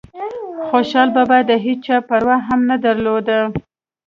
خوشحال بابا دهيچا پروا هم نه درلوده